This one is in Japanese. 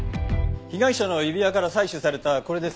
被害者の指輪から採取されたこれですが。